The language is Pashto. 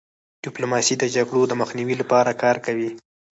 ډيپلوماسي د جګړو د مخنیوي لپاره کار کوي.